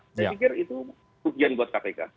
saya pikir itu kerugian buat kpk